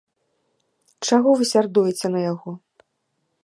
Чаго вы сярдуеце на яго?